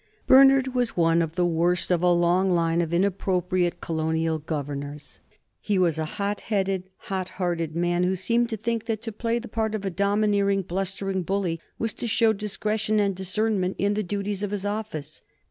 Bernard was one of the worst of a long line of inappropriate colonial governors. He was a hot headed, hot hearted man who seemed to think that to play the part of a domineering, blustering bully was to show discretion and discernment in the duties of his office.